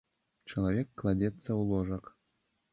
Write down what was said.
Чалавек кладзецца ў ложак.